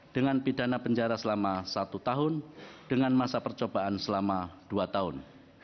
dengan pidana penjara selama satu tahun dengan masa percobaan selama dua tahun